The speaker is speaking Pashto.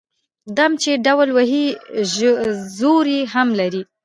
ـ ډم چې ډول وهي زور يې هم لري.